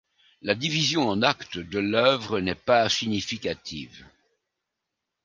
La division en acte de l’œuvre n'est pas significative.